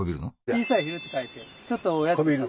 「小さい昼」って書いてちょっとおやつを食べる。